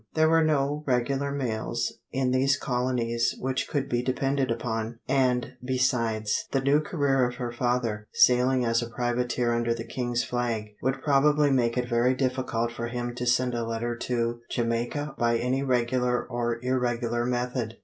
There were no regular mails in these colonies which could be depended upon, and, besides, the new career of her father, sailing as a privateer under the king's flag, would probably make it very difficult for him to send a letter to Jamaica by any regular or irregular method.